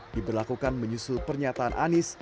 diberlakukan menyusul pernyataan anis